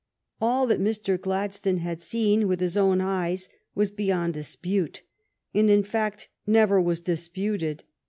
All that Mr. Gladstone had seen with his own eyes was beyond dispute, and, in fact, never was disputed.